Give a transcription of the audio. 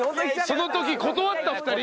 その時断った２人？